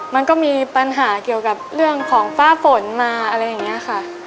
มันก็มีปัญหาเกี่ยวกับเรื่องของฟ้าฝนมาอะไรอย่างนี้ค่ะ